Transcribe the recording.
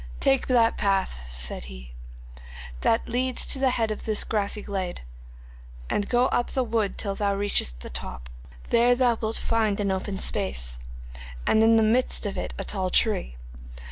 '"Take that path," said he, "that leads to the head of this grassy glade, and go up the wood till thou reachest the top. There thou wilt find an open space, and in the midst of it a tall tree.